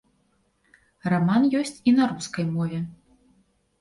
Раман ёсць і на рускай мове.